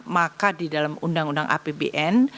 maka di dalam undang undang apbn